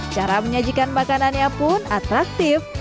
cara menyajikan makanannya pun atraktif